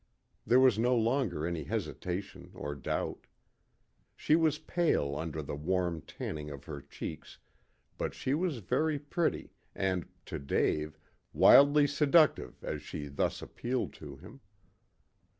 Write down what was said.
There was no longer any hesitation or doubt. She was pale under the warm tanning of her cheeks, but she was very pretty, and, to Dave, wildly seductive as she thus appealed to him.